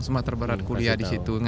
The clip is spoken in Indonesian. semua terbarat kuliah disitu